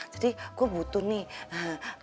jadi gue butuh nih